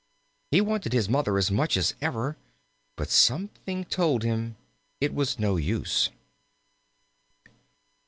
He wanted his Mother as much as ever, but something told him it was no use.